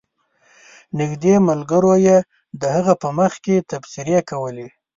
نږدې ملګرو یې د هغه په مخ کې تبصرې کولې.